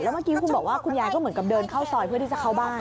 เมื่อกี้คุณบอกว่าคุณยายก็เหมือนกับเดินเข้าซอยเพื่อที่จะเข้าบ้าน